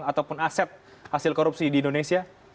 ataupun aset hasil korupsi di indonesia